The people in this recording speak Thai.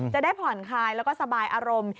จะได้ผ่อนคลายแล้วก็สบายอารมณ์